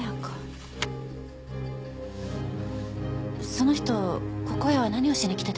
その人ここへは何をしに来てたんですか？